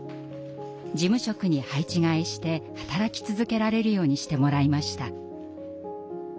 事務職に配置換えして働き続けられるようにしてもらいました。